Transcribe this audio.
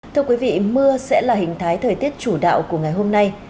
thưa quý vị mưa sẽ là hình thái thời tiết chủ đạo của ngày hôm nay